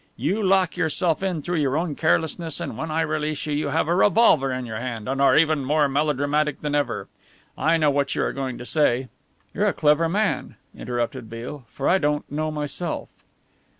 You lock yourself in through your own carelessness and when I release you you have a revolver in your hand, and are even more melodramatic than ever. I know what you are going to say " "You are a clever man," interrupted Beale, "for I don't know myself."